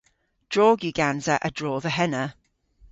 Drog yw gansa a-dro dhe henna.